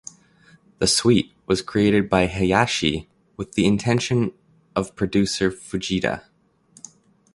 The suite was created by Hayashi with the intention of producer Fujita.